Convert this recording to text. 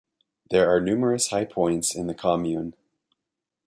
There are numerous high points in the commune.